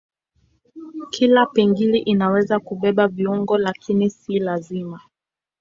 Kila pingili inaweza kubeba viungo lakini si lazima.